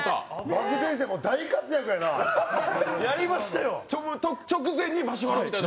バク転して大活躍やな。